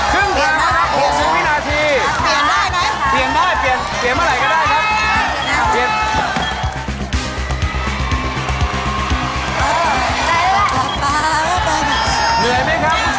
เช่นครับเปลี่ยน๖วินาทีเปลี่ยนได้ไหมครับเปลี่ยนได้เพื่อเติมอะไรก็ได้ครับ